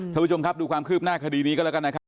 ท่านผู้ชมครับดูความคืบหน้าคดีนี้ก็แล้วกันนะครับ